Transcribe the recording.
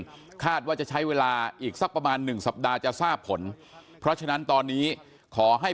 คาดว่าจะใช้เวลาอีกสักประมาณหนึ่งสัปดาห์จะทราบผลเพราะฉะนั้นตอนนี้ขอให้